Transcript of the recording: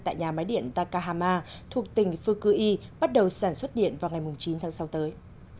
tại nhà máy điện takahama thuộc tỉnh fukui bắt đầu sản xuất điện vào ngày chín tháng sáu tới